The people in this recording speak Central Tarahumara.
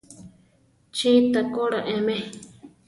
Chí takóla eme.